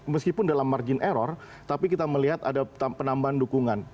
meskipun dalam margin error tapi kita melihat ada penambahan dukungan